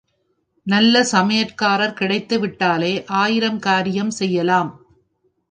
நல்ல சமையற்காரர் கிடைத்துவிட்டாலே ஆயிரம் காரியம் செய்யலாம்.